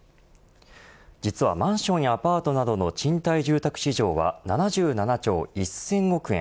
実はマンションやアパートなどの賃貸住宅市場は７７兆１０００億円。